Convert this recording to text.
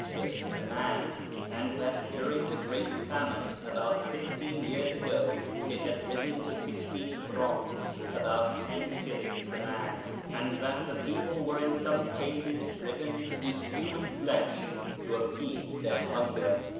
tlie vian ; and that during the great famine about sixteen years ago it had risen to sixteen krdns (about 10s.) the man, and that tlie people were in some cases driven to eat human flesh to appease their hunger.